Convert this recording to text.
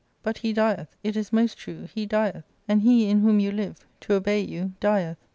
But he dieth, it is most true, he dieth ; and he in whom you live, to obey you, dieth.